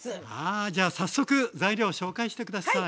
じゃあ早速材料を紹介して下さい。